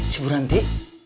si bu ranti